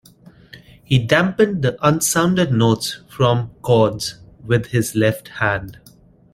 He dampened the unsounded notes from chords with his left hand.